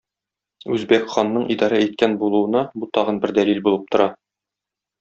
Үзбәк ханның идарә иткән булуына бу тагын бер дәлил булып тора.